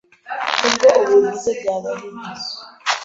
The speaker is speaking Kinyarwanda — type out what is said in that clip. Ubwo ubivuze byaba ari byo